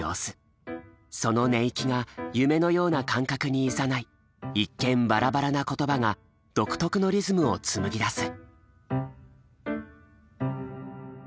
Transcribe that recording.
その寝息が夢のような感覚にいざない一見バラバラな言葉が独特のリズムを紡ぎ出す。